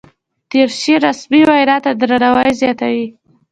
دریشي رسمي وینا ته درناوی زیاتوي.